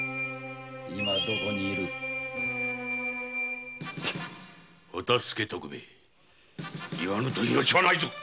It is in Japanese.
今どこに居るお助け徳兵衛言わぬと命はないぞ。